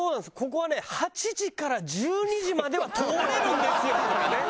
８時から１２時までは通れるんですよ」とかね。